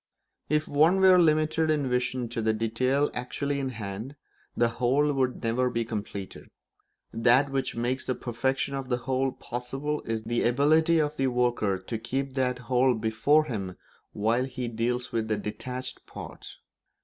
If one were limited in vision to the detail actually in hand, the whole would never be completed; that which makes the perfection of the whole possible is the ability of the worker to keep that whole before him while he deals with the detached parts.